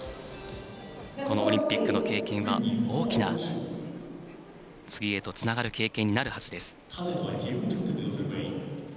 このオリンピックの経験は大きな次へとつながる経験となるはずです。